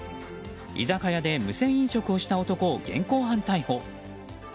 居酒屋で無銭飲食をした男を現行犯逮捕。